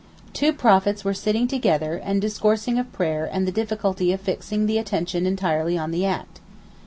'Two prophets were sitting together, and discoursing of prayer and the difficulty of fixing the attention entirely on the act.